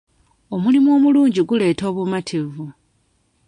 Omulimu omulungi guleeta obumativu.